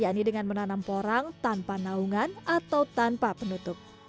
yakni dengan menanam porang tanpa naungan atau tanpa penutup